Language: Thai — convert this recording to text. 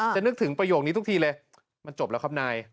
นึกถึงประโยคนี้ทุกทีเลยมันจบแล้วครับนาย